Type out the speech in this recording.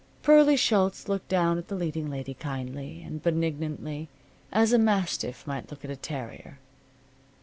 Pearlie Schultz looked down at the leading lady kindly and benignantly, as a mastiff might look at a terrier.